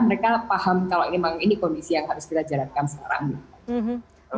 mereka paham kalau memang ini kondisi yang harus kita jalankan sekarang